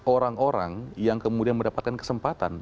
orang orang yang kemudian mendapatkan kesempatan